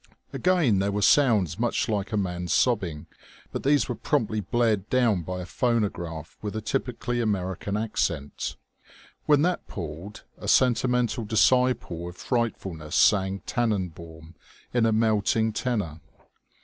Again there were sounds much like a man's sobbing; but these were promptly blared down by a phonograph with a typically American accent. When that palled, a sentimental disciple of frightfulness sang Tannenbaum in a melting tenor.